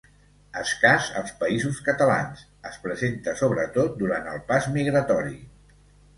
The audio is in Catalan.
Escàs als Països Catalans, es presenta sobretot durant el pas migratori.